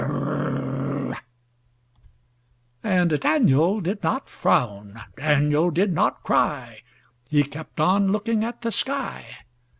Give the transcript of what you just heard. And Daniel did not frown, Daniel did not cry. He kept on looking at the sky.